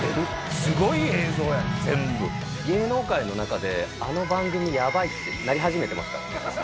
すごい芸能界の中であの番組やばいって、なり始めてますから。